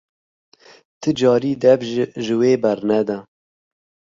Ti carî dev ji wê bernede!